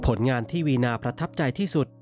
ผลงานที่วีนาประทับใจที่สุด